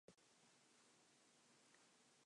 It is a member of the new Socialist Alliance.